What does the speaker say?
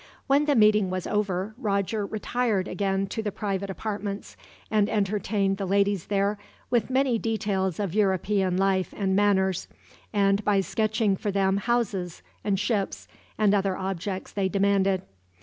When the meeting was over, Roger retired again to the private apartments, and entertained the ladies there with many details of European life and manners, and by sketching for them houses, and ships, and other objects they demanded.